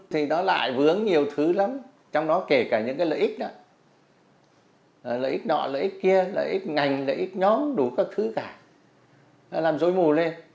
thì nó lại vướng nhiều thứ lắm trong đó kể cả những cái lợi ích đó lợi ích nọ lợi ích kia lợi ích ngành lợi ích nhóm đủ các thứ cả làm dối mù lên